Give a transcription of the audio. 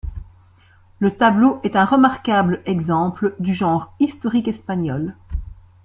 Le tableau est un remarquable exemple du genre historique espagnol.